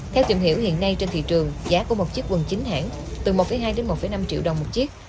theo tìm hiểu hiện nay trên thị trường giá của một chiếc quần chính hãng từ một hai đến một năm triệu đồng một chiếc